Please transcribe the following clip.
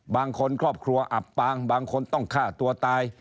บางคนครอบครัวอับปางบางคนต้องฆ่าตัวตาย